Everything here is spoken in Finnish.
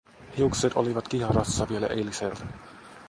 Hiukset olivat kiharassa vielä eiliseltä.